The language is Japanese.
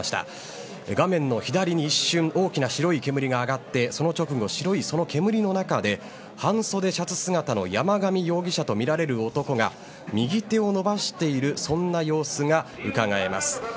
画面の左に一瞬大きな白い煙が上がってその直後、白い煙の中で半そでシャツ姿の山上容疑者とみられる男が右手を伸ばしているそんな様子がうかがえます。